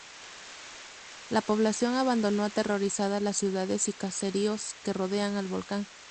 La población abandonó aterrorizada las ciudades y caseríos que rodean al volcán.